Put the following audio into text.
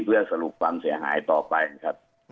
เพื่อสรุปความเสียหายต่อไปนะครับ